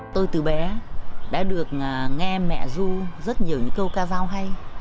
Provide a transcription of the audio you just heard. tôi từ bé đã được nghe mẹ du rất nhiều những câu ca giao hay